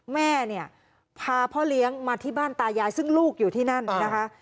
แม่เนี่ยพาพ่อเลี้ยงมาที่บ้านตายายซึ่งลูกอยู่ที่นั่นนะคะ